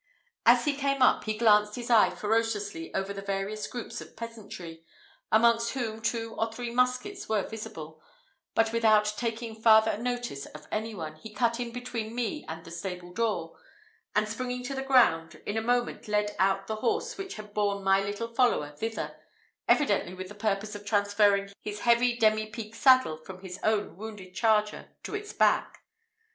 As he came up, he glanced his eye ferociously over the various groups of peasantry, amongst whom two or three muskets were visible, but without taking farther notice of any one, he cut in between me and the stable door, and springing to the ground, in a moment led out the horse which had borne my little follower thither, evidently with the purpose of transferring his heavy demipique saddle from his own wounded charger to its back.